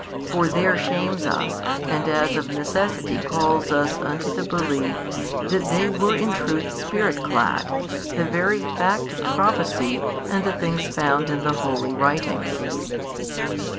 For there shames us and as of necessity calls us unto the belief that they were in truth Spirit clad, the very fact of prophecy and the things found in the holy writings.